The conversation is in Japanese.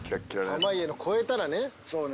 濱家の超えたらね。